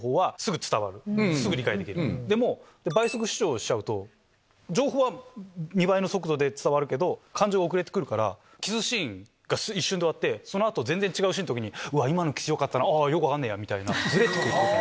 でも倍速視聴しちゃうと情報は２倍の速度で伝わるけど感情が遅れてくるからキスシーンが一瞬で終わってその後全然違うシーンの時に「うわ今のキスよかったなあっ？よく分かんねえや」。